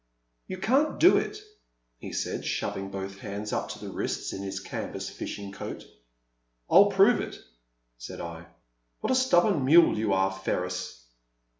You can't do it," he said, shoving both hands up to the wrists in his canvas fishing coat. I'll prove it/' said I. What a stubborn mule you are, Ferris